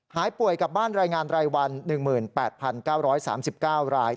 หายป่วยกลับบ้านรายงานรายวัน๑๘๙๓๙ราย